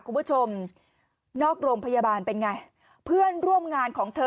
คุณผู้ชมนอกโรงพยาบาลเป็นไงเพื่อนร่วมงานของเธอ